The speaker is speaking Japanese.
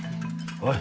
おい。